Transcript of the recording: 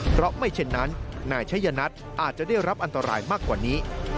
เพราะไม่เช่นนั้นนายชัยนัทอาจจะได้รับอันตรายมากกว่านี้